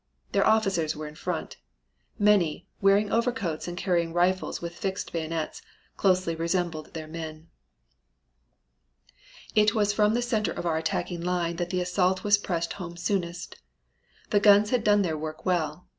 Their officers were in front. Many, wearing overcoats and carrying rifles with fixed bayonets, closely resembled their men. "It was from the center of our attacking line that the assault was pressed home soonest. The guns had done their work well.